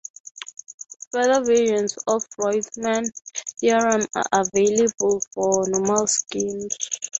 Further versions of "Roitman's theorem" are available for normal schemes.